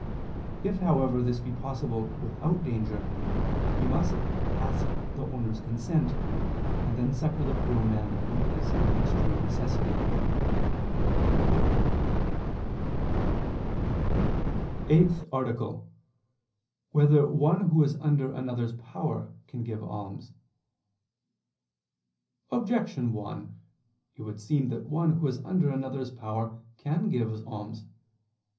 If however this be possible without danger, he must ask the owner's consent, and then succor the poor man who is in extreme necessity. _______________________ EIGHTH ARTICLE [II II, Q. 32, Art. 8] Whether One Who Is Under Another's Power Can Give Alms? Objection 1: It would seem that one who is under another's power can give alms.